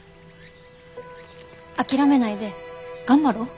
諦めないで頑張ろう。